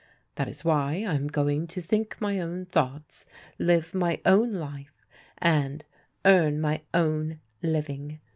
^ That is why I am going to think my own thoughts, liv^ my own life, and earn my own living.